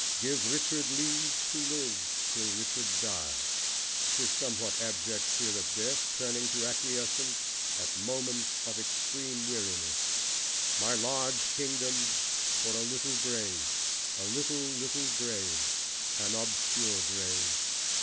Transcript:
Give Richard leave to live till Richard die! his somewhat abject fear of death, turning to acquiescence at moments of extreme weariness: My large kingdom for a little grave! A little little grave, an obscure grave!